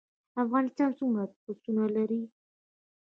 افغانستان څومره پسونه لري؟